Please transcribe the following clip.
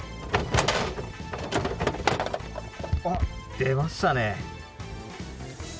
あっ、出ましたね。